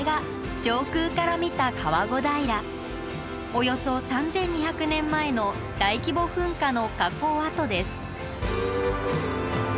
およそ３，２００年前の大規模噴火の火口跡です。